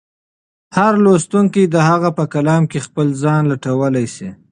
هر لوستونکی د هغه په کلام کې خپل ځان لټولی شي.